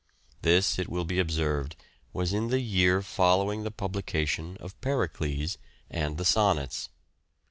This, it will be observed, was in the year following the publication of " Pericles " and the Sonnets.